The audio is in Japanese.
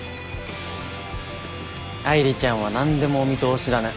愛梨ちゃんは何でもお見通しだね。